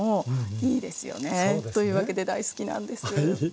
そうですね。というわけで大好きなんです。